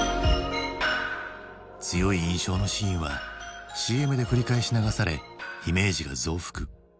強い印象のシーンはＣＭで繰り返し流されイメージが増幅。